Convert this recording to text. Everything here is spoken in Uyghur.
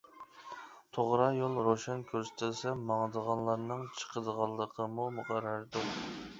توغرا يول روشەن كۆرسىتىلسە ماڭىدىغانلارنىڭ چىقىدىغانلىقىمۇ مۇقەررەردۇر.